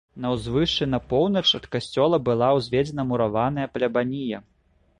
На ўзвышшы на поўнач ад касцёла была ўзведзена мураваная плябанія.